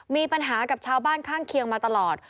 มีปัญหากับชาวบ้านข้างเคียงมาตลอด